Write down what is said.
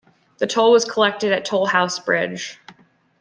The toll was collected at toll house bridge.